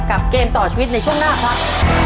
เกมต่อชีวิตในช่วงหน้าครับ